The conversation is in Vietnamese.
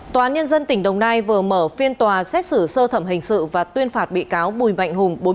tòa án nhân dân tỉnh đồng nai vừa mở phiên tòa xét xử sơ thẩm hình sự và tuyên phạt bị cáo bùi mạnh hùng